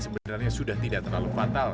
sebenarnya sudah tidak terlalu fatal